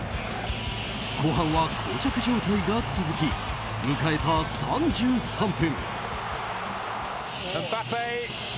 後半は、膠着状態が続き迎えた３３分。